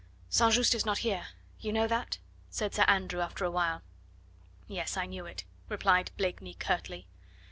"St. Just is not here you know that?" said Sir Andrew after a while. "Yes, I knew it," replied Blakeney curtly.